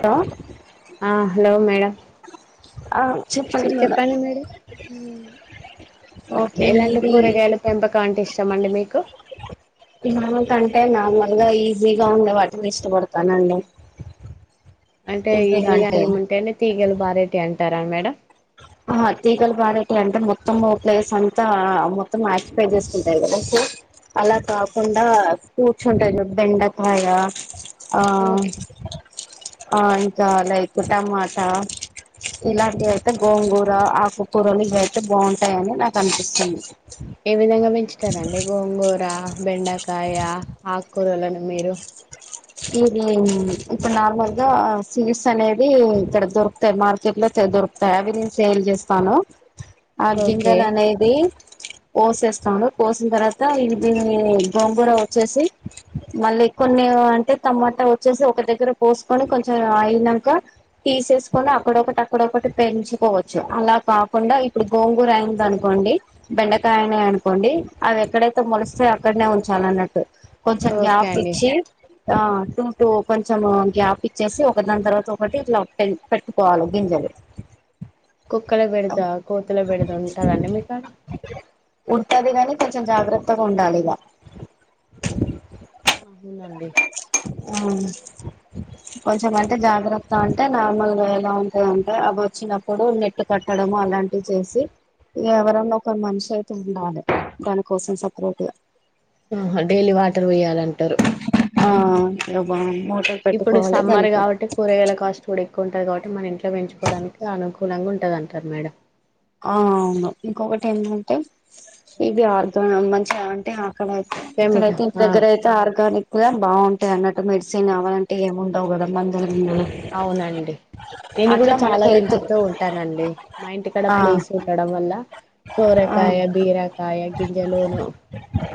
Hello ఆ hello madam చెప్పండి madam okay ఎలాంటి ఇది కూరగాయలు పెంపకం అంటే ఇస్టమండి మీకు ఏంటంటే నార్మల్గా ఈజీగా ఉండే వాటిని ఇష్టపడతానండి అంటే ఈజీగా ఏముంటాయంటే తీగలు బారేట్టి అంటారా మేడం ఆ తీగాలు బారెటి అంటే మొత్తం ఓ ప్లేస్ అంతా మొత్తం ఆక్యుపై చేసుకుంటాయి కదా అలా కాకుండా కూర్చుంటాయి చూడు బెండకాయ ఆ హ ఓకే ఆ అంత లైక్ టమాటా ఇలాంటివి అయితే గోంగూర ఆకుకూరలు ఇవి అయితే బాగుంటాయని నాకు అనిపిస్తుంది ఏ విధంగా పెంచుతారండి గోంగూర బెండకాయ ఆకురలను మీరు ఇది ఇప్పుడు నార్మల్ గా సీడ్స్ అనేది ఇక్కడ దొరుకుతాయి మార్కెట్ లో దొరుకుతాయి అవి నేను సేల్ చేస్తాను ఆ ఓకే గింజలు అనేది పోసేస్తాను పోసిన తర్వాత ఇ దీన్ని గోంగూర వచ్చేసి మళ్ళీ కొన్ని త టమాటా వచ్చేసి ఒక దగ్గర పోసుకొని కొంచెం అయినాక తీసేసుకొని అక్కడొకటి అక్కడ ఒకటి పెంచుకోవచ్చు అలా కాకుండా ఇప్పుడు గోంగూర అయినది అనుకోండి బెండకాయనే అను కోండి అవి ఎక్కడైతే మొలిస్తే అక్కడనే ఉంచాల అన్నట్టు కొంచెం ఓకే గ్యాప్ అండి ఇచ్చి ఆ టూ టూ కొంచెం గ్యాప్ ఇచ్చేసి ఒక దాని తర్వాత ఒకటి ఇట్లా పె పెట్టుకోవాలి గింజలు [inaudible] కుక్కల బేడద కోతుల బేడద ఉంటదండి మీ కాడ ఉంటది కాగానీ కొంచెం జాగ్రత్తగా ఉండాలిగా అవునండి [inaudible] కొంచం అంటే జాగ్రత్త అంటే నార్మల్గా ఎలా ఉంటందంటే అవి వచ్చినప్పుడు నెట్ కట్టడం అలాంటివి చేసి ఎవరన్నా ఒక మనిషి అయితే ఉండాలి దానికోసం సపరేట్గా ఆ డైలీ వాటర్ పోయ్యాలంటారు ఆ ఇగ బాగు ఇప్పుడు సమ్మర్ కాబట్టి కూరగాయల కాస్ట్ కూడా ఎక్కు ఎక్కువ ఉంటది కాబట్టి మన ఇంట్లో పెంచుకోవడానికి అనుకూలంగా ఉంటాది అంటారు మేడం ఆ అవును ఇంకొకటి ఏంటంటే ఇది ఆర్గ్ మంచిగా అంటే ఇక్కడైతే ఇక్కడైతే కెమికల్ ఇంటి ఆ దగ్గర అయితే ఆర్గానిక్ గా బాగుం టది అన్నట్టు మెడిసిన్ కావాలంటే ఏంముండవు కదా మందులు గిందులు అవునండి నేను కూడా అట్లా చాలా మనకి హెల్త్ పెంచుతూ ఉంటానండి మా ఇంటి క్కడ ఆ ప్లేస్ ఉండడం వల్ల ఆ సోరకాయ బీరకాయ గింజలును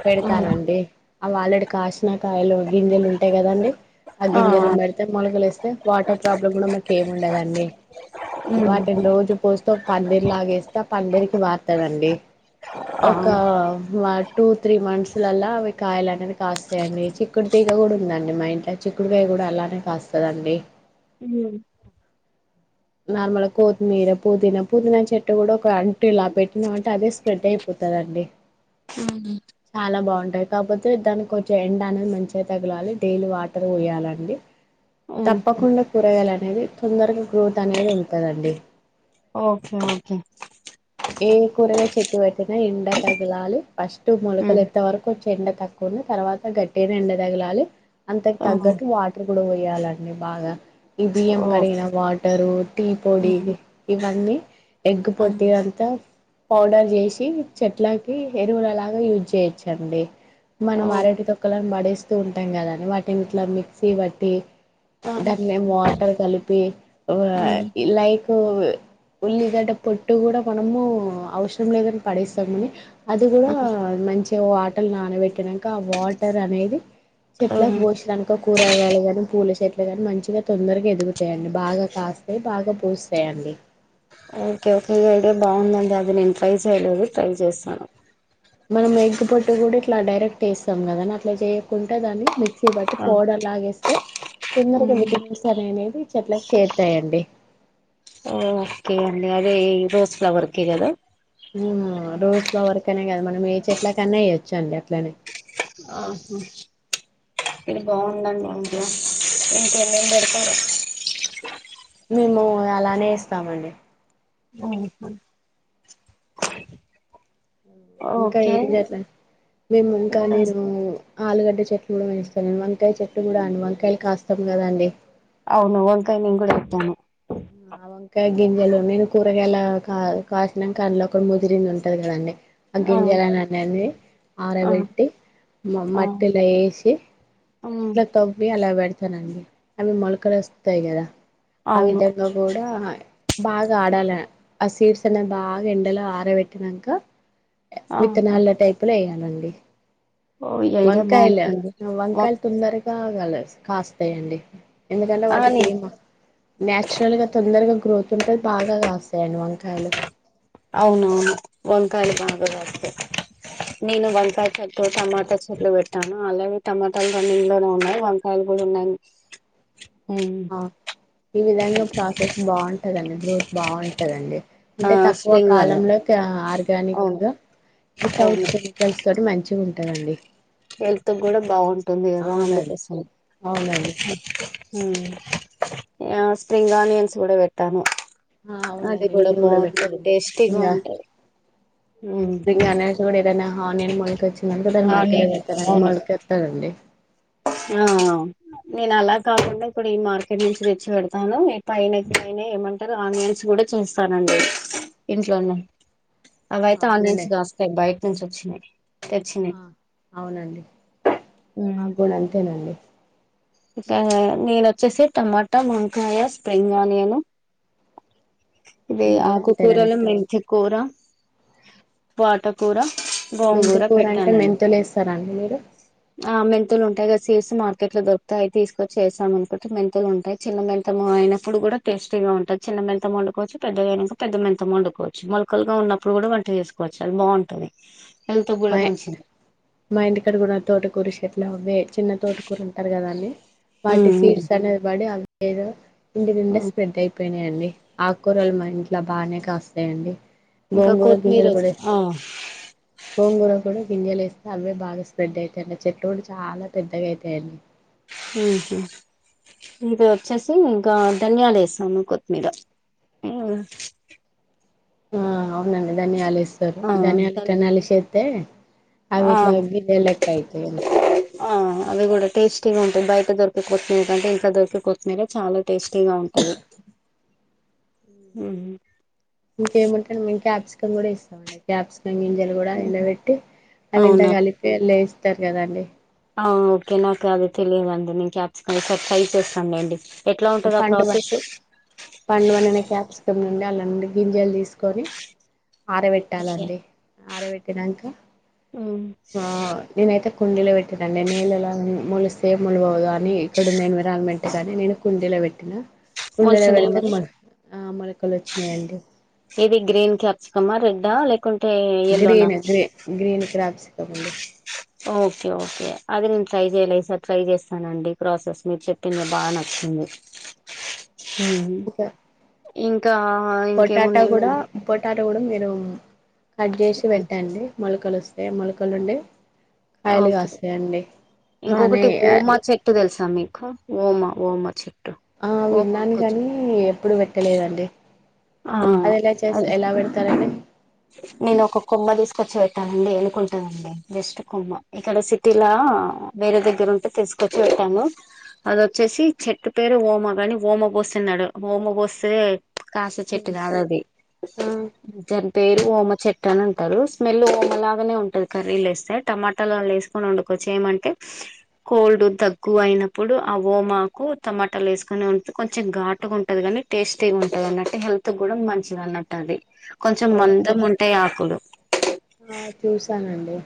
పెడతానండి అవి ఆల్రెడీ కాసినాయ్ కాయలు గింజలు ఉంటాయి కదండి ఆ గింజలు మెడితే మొలకలు వస్తే వాటర్ ప్రాబ్లమ్ కూడా మాకు ఏమి ఉండదండి ఉమ్ వాటిని రోజు పోస్తూ పందిరి లాగేస్తే ఆ పందిరికి పారుతదండి ఆ ఒక టూ త్రీ మంత్స్ లాలా అవి కాయలు అనేది కాస్తాయండి చిక్కుడు తీగ కూడా ఉందండి మా ఇంట్ల చిక్కుడుకాయ కూడా అలానే కాస్తదండి హ నార్మల్గా కొత్తిమీర పుదీనా పుదీనా చెట్టు కూడా ఒక అంటూ లాగా పెట్టినామంటే అదే స్ప్రెడ్ అయిపోతాదండి హ్మ్. చాలా బాగుంట కాపోతే దానికి కొంచెం ఎండ్ అనేది మంచిగా తగిలాలి డైలీ వాటర్ పోయ్యాలండి హుహు. తప్పకుండా కూరగాలనేది తొందరగా గ్రోత్ అనేది ఉంటాడండి ఓకే ఓకే ఏ కూరగా చెట్టు పెట్టినా ఎండ తగిలాలి ఫస్ట్ మొలకలు హ్మ్. ఎత్త వరకు ఎండ తక్కువన్నా తర్వాత గట్టిగానే ఎండ తగలి అంతకు ఆ! తగ్గట్టు వాటర్ కూడా పోయా తీయ్యాలండి బాగా ఈ బియ్యం ఓహ్! కడిగిన వాటరు టీ పొడి హ్మ్. ఇవన్నీ ఎగ్ ఆ! పొట్టు పౌడర్ చేసి చెట్లకి ఎరువులలాగా యూజ్ చేయొచ్చండి మనం ఓకే అరటి తొక్కలను పడేస్తూ ఉంటాం కదాని వాటిని ఇట్లా మిక్సీ బట్టి ఆ! దాన్ని వాటర్ కలిపి హ్మ్. లైక్ స ఉల్లిగడ్డ పొట్టు కూడా మనము అవసరం లేదని పడేస్తామని అది కూడా ఆ! మంచిగా వాటర్ నానబెట్టినాక ఆ వాటర్ అనేది చెట్లకి హ్మ్. పోసిన్లు అనుకో కూరగాయాలు గానీ పూల చెట్ల గాని మంచిగా తొందరగా ఎదుగుతాయండి బాగా కాస్తాయి బాగా పూస్తాయండి. ఓకే కే ఐడియా బాగుందండి అది నేను ట్రై చేయలేది ట్రై చేస్తాను మనం ఎగ్ పొట్టి కూడా ఇట్లా డైరెక్ట్ వేస్తాం కదాని అట్లా చేయకుంటే దాన్ని మిక్స్ీ బట్టి ఆ! పౌడర్ లాగాేస్తే తిందరకి హ్మ్. విటమిన్స్ అనే చెట్లకి చేరుతాయండి ఓ ఓకే అ అదే రోజ ఫ్లవర్ కిరదు రోజ్ ఫ్లవర్ కనే కదా మనం ఏచ ఎట్ల కన్నా వయొచ్చు అండి అట్లనే ఆహా మీరు బాగుందండి ఇంట్లో ఇంకేన్నేం పెడతారు మేము అలానే ఇస్తామండి ఆహా ఇంకా ఏం చేట్లే మేము ఇంకా నేను ఆలుగడ్డ చెట్లు కూడా మేస్తా వంకాయ చెట్లు కూడా అండి వంకాయలు కాస్తాం కదా అండి అవును వంకాయ నేను కూడా పెట్టాను ఆ వంకా గింజలు నేను కూరగాయలా కా కాసినాక అందులో ఒక ముదిరింంది ఉంటది కదండి అ్గంజలానన్ని అవును ఆరబెట్టి మ మట్టలో వేసి అట్లా తవ్వి అలా పెడతానండి అవి మొలకలు వస్తాయి కదా ఆ విధంగా కూడా బాగా ఆడాల ఆ సీడ్స్ అనేది బాగా ఎండలో ఆరబెట్టినాక ఆహా! విత్తనాళ్ళ టైపులు వేయ్యాలండి ఓ ఈ ఐడియా వంకాయలు బాగుందండి వం వంకాయలు తందరిగాగల కాస్తాయంండి ఎందుకంటే ఆ వాటికి నేను ఏం నాచురల్ గా తొందరగా గ్రోత్ ఉంటేది బాగాస్తాయండి వంకాయలు అవునవును వంకాాల బ వస్తే నేను వంకాయ చెట్లు టమాటా చెట్లు పెట్టాను అలాగే టమాటాలు రన్ని ఇంగ్ లోనే ఉన్నాయి వంకాయలు కూడా ఉన్నాయి ఉమ్, ఆ ఈ విధంగా ప్రాసెస్ బాగుంటదండి గ్రోత్ బాగుంటదండి ఆ అంటే తక్కువ స్ప్రింగ్ అని కాలంలో అవును ఆర్గానిక్గా వితౌట్ అవును కెమికల్స్ తోటి మంచిగా ఉంటుంది హెల్త్ కూడా బాగుంటుంది కదా అవునండి అందుకోసం అవునండి సప్రింగ్ ఆనియన్స్ కూడాడ వెట్టాను ఆ అది అవునండి కూడా నేను బాగుంటది టేస్టీ బాగుంటది వుస్త అనా చోడ ఇదనా నేను మొళక వచ్చందిానుక దాన్ని ఆ మట్టిలో నేను పెడతానని అవును మళ్ళక వస్తానడి ఆ నేను అలా కాకుండా ఇప్పుడు ఈ మార్కెట్ నుంచి రెచ్చి పెడతాను ఇ పైన పైన ఏమంటారు ఆనియన్స్ కూడా కూడా చూస్తానండి ఇంట్లోనే ఆ అవియితే ఆన్నించి అవునండి దస్తాయి బయట నుంచి వచ్చినాయి తెచ్చినాయి ఆ గూడ అంతేనండి. ఇక్కా నేను వచ్చేసి టమాటా వంకాయ స్ప్రింగ్ ఆనియను ఇవి మేము కూడా అంతేనండి ఆకుకూరలు మెంతికూర, పోటా కూర గోంగూర మెంంతపూర అంటే పెట్టానండి మెంతులు వేస్తారాండి మీరు ఆ మెంతులు ఉంటాయి కదా సీస్ మార్కెట్ లో దొరుకుతాయి తీసుకచ్చేస్తాం అనుకుంటే మెంంతలు ఉంటాయి చిన్న మెంత అనప్పు కూడా టేస్ట్ ఉంట చిన్న మంత వడుకోవచ్చు పెద్దగాక పెద్ద మంత వండుకోవచ్చు మొకలుగా ఉన్నప్పుడు కూడా వంట చేసుకోవచ్చు బాగుంటుది మా మా ఇంటికాడ కూడా తోట కూరిషట్లు అవ్వే చిన్న తోట కూరు ఉంటారు కదా అన్ని వాటి సీడ్స్ అనేది పడి అదో ఇంటి నింటే స్ప్రెడ్ అయిపోయినాయండి ఆకూరలు మా ఇంట్లో బాగానే కాస్తాయండి ఇంకా కొత్తిమీర బంగకిజనప ఆ కూడా గింజలు వస్తే అవిే బాగా స్ప్రెడ్ అవుతాయిడి ఆ చెట్టు కూడా చాలా పెద్దగా అవుతాయండి హహా ఇది వచ్చేసి ఇంకా ధన్యాలు వేసాను కొత్తిమీర ఉ ఆ అవునండి దాని ఆలస్ స్ తోటి ఆ ధన్యాలు ఇక్క నలిశెత్తే ఆవి ఆ ఇట్లా బిందె లెక్క అయితయి. ఆ అవి కూడా టేస్టీగా ఉంటాయి. బయట దొరికే కొత్తి మీర కంటే ఇంట్లా దొరికి కొత్ మీరే చాలా టేస్టీగా ఉం అదే ఉహుం ఇంకేముంటాది మేము క్యాప్సికం కూడా ఎస్తామండి క్యాప్సికం గింజలు కూడా ఎండబెట్టి అవి ఇంత అవునా కలిపి అల్లా ఏస్తారు కదండి. ఆ ఓకే నాకు అది తెలియదండి నేను కాప్సికం తొ ఒకసారి ట్రై చేస్తాను లేండి. పండువ పండువండిన క్యాప్సికం నుండి అలా అండ్ గింజలు తీసుకొని ఆరవేట్టాలండి అరవెట్టినంక మ్మ్ ఆ నేనైతే కుండీలో పెట్టడండి నేళ్లలో మోలిస్తే మోలువవు కాని ఇక్కడన్న ఎన్విరాన్మెంట్ గాని నేను కుండిలో వేట్టినా కుండెలో మొలిచినాయా వేడితే మరి మ ఆ మొలకలు వచ్చినయండి. ఇది గ్రీన్ క్యాప్సికమా రెడ్డా లేక్ గ్రీన్ గ్రే గ్రీన్ క్రాప్స్కం అండి. ఓకే ఓకే అది నేను ట్రై చేయలే. ఈసారి ట్రై చేస్తానండి. ప్రాసెస్ మీరు చెప్పింది బాగ నచ్చింది. మ్ ఉమ్ ఇంక్ ఇంకా ఇంకా పొటాటా ఇంకేమున్నాయి కూడా మల్ పొటాటా కూడా మీరు కట్ జెషి పెట్టండి మొలకలు వస్తాయి. మొలకలు నుండి ఓకే బానే ఇంకొకటి ఓమా చెట్టు తెలుసా తమిఖు ఓమా ఓమ చే ఆ విన్నాను గాని ఎప్పుడు వేట్టలేదండి. ఆ అది ఎలా చేస్ అది ఎలావేడుతారండి. నేను ఒక కొమ్మ తీసుక్ తెచ్చి వేట్టాలండి ఎనుకుంటాదండి. జెస్ట్ కొమ్మ ఇక్కడ సిటీలా వేరే దగ్గర ఉంటే తెసు తీచ్చి వెట్టాను అదొచ్చేసి చెట్టు పేరు ఓమ గాని ఓమ వోస్తున్నాడు. ఓమ వోస్తే కాస చెట్టు కాదు అది ఆ స్ నిజ పేరు ఓమ చెట్టు అని అంటారు. స్మెల్ ఓమలాగానే ఉంటది. కర్రీలో ఏస్తే టమాటాలల్లా వేసుకని వండు చేయమంటే కోల్డ్ దగ్గు అయినప్పుడు ఆ ఓమాకు టమాటాలు ఏసుకోని వంట్ కొంచెం ఘాటుగా ఉంటది గాని టేస్టీగా ఉంటది అన్నట్టు హెల్త్ గూడా మంచిది అన్నట్టు అది కొంచెం ఓకే మందంగా ఉంటాయి ఆకులు ఆ చూసానండి.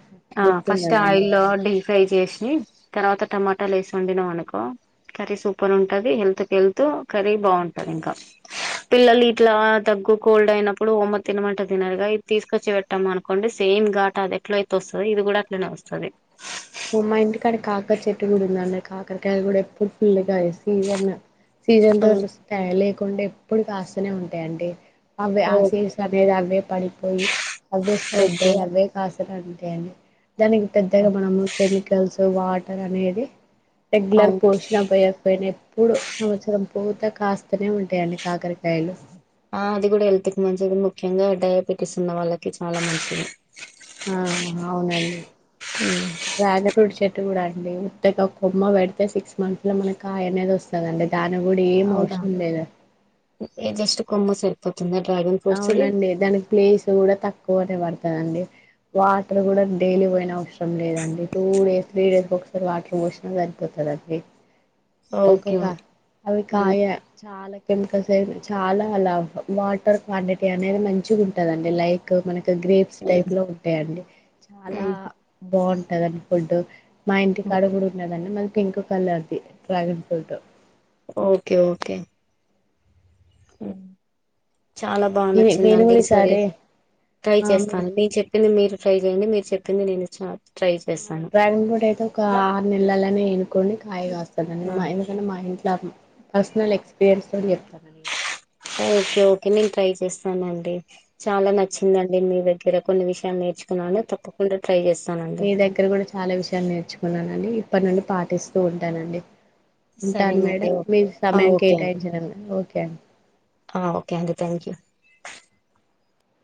ఆ ఫస్ట్ గుర్తున్నదండి ఆయిల్లో డీప్ ఫ్రై చేసి తర్వాత టమాటాలు వేసి వండినం అనుకో కర్రీ సూపర్ ఉంటంది హెల్త్ క హెల్త్ ఓ కర్రీ బాగుంటంది ఇంకా పిల్లలు ఇట్లా దగ్గు కోల్డ్ అయినప్పుడు ఓమ తినమంట తినరుగా ఇది తీసుకొచ్చి వేట్టాం అనుకోండి సేమ్ ఇమ్ ఘాట్ అదే ఎట్ల అయితే వస్తదో ఇది కూడా అట్లనే వస్తది. ఓ మా ఇంటి కాడ కాకర చెట్టు కూడా ఉందండి కాకరకాయది కూడా ఎప్పుడు పుల్లగ్ త సీజన్ సీజన్ ఓ తోటి వస్తాయి లేకుండే ఎప్పుడు కాస్తూనే ఉంటాయి అండి. అవే ఓ ఆసిడ్స్ అవేద్ అవే పడిపోయి అవే స్ప్రెడ్ ఓకే అయి అవే కాస్త తగ్గేయండి దానికి పెద్దగా మనము సో వాటర్ అనేది రెగ్యులర్ అవును పోషీనా పోయకపోయినా ఎప్పుడు సంవత్సరం పూత కాస్తూనే ఉంటాయండి. కాకరకాయలు ఆ అది కూడా హెల్త్ కి మంచిది. ముఖ్యంగా డయాబెటీస్ ఉన్న వాళ్ళకి చాలా మంచిది. ఆ అవునండి డ్రాగన్ ఫ్రూట్ చెట్టు గుడా అండి ఉత్తగా కొమ్మ వేడితే సిక్స్ మంత్స్ లో మనకి కాయ అనేది ఒస్తదండి. దానీ గుడ ఏం అవునా ఔశరం లేదు. జస్ట్ కొమ్మ సరిపోతుందా డ్రాగన్ ఫ్రూట్స్ ది అవునండి దానిక్ ప్లేస్ గూడ తక్కువనే వాడత అండి వాటర్ గూడా డైలీ పోయిన అవసరం లేదండి టూ డేస్ త్రీ డేస్ ఒకసా వాటర్ పోషిణ జరిపోతదం అది ఓకే ఒక్కొక్క అవి కాయ చాలా కెమికల్స్ అయి చాలా వాటర్ క్వాంటిటీ అనేది మంచిగుంటదండి లైక్ మనకి గ్రేప్స్ టైప్ ఓకే లో ఉంటయండి చాలా బాగుంటాది అండి ఫుడ్ మా ఇంటి కాడ గుడా ఉన్నదండి మాది పింక్ కలర్ది డ్రాగన్ ఫ్రూట్ ఓకే ఓకే హ్మ్ చాలా బాగా నేను నచ్చిందండి కూడా సరే ఈసారి ట్రై ఆ చేస్తాను నేను చెప్పింది మీరు ఫ్రై చేయండి మీరు చెప్పింది నేను చ్చ ఆ డ్రాగన్ ఫ్రూట్ అయితే ఒక ఆరు నెలల్లనే ఎనుకోండి కాయగా వస్తందని ఆ! ఎందుకంటే మా ఇ నాది పర్సనల్ ఎక్స్పీరియన్స్తో చెప్తున నేను ఓకే ఓకే నేను ట్రై చేస్తానండి చాలా నేను నచ్చిందండి మీ దగ్గర కొన్ని విష్ మీ దగ్గర కుడా చాలా విషయాలు నేర్చుకున్నాను అండి పనులు పాటిస్తూ ఉంటానండి ఉంటాను సరేనండి మేడం ఓ మీ ఆ! సమయం ఓకే అండి కేటాయించినందుకు ఓకే అండి ఆ ఓకే అంటీ థ్యాంక్ యూ